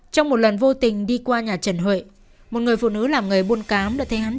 trong một lần vô tình đi qua nhà trần huệ một người phụ nữ làm người buôn cám đã thấy hắn trở về nhà